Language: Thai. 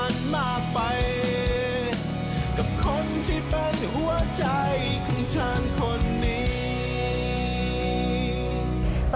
สวัสดีค่ะพี่แด็กซ์